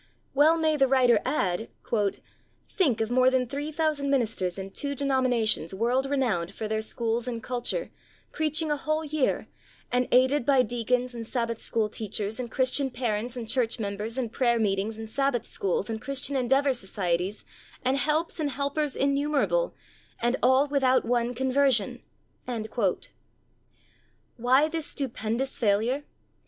Well may the writer add, "Think of more than 3,000 ministers in two denom inations world renowned for their schools and culture, preaching a whole year, and aided by deacons and Sabbath school teach ers and Christian parents and church members and prayer meetings and Sabbath schools and Christian Endeavor Societies, and helps and helpers innumerable, and all without one conversion !" Why this stupendous failure?